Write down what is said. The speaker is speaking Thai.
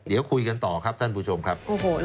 เดี๋ยวคุยกันต่อครับท่านผู้ชมครับ